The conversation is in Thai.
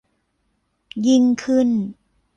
ยิ่งขึ้น